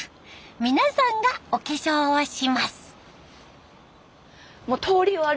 皆さんがお化粧をします。